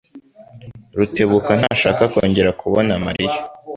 Rutebuka ntashaka kongera kubona Mariya.